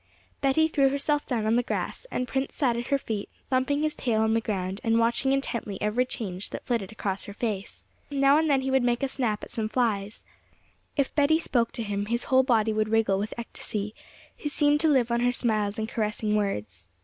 Betty threw herself down on the grass, and Prince sat at her feet, thumping his tail on the ground, and watching intently every change that flitted across her face. Now and then he would make a snap at some flies; if Betty spoke to him, his whole body would wriggle with ecstasy; he seemed to live on her smiles and caressing words.